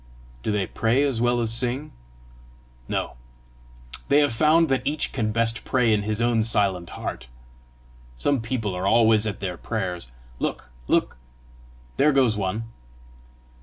"Do they pray as well as sing?" "No; they have found that each can best pray in his own silent heart. Some people are always at their prayers. Look! look! There goes one!"